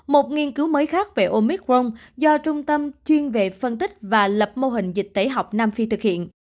một nghiên cứu mới khác về omicron do trung tâm chuyên về phân tích và lập mô hình dịch tễ học nam phi thực hiện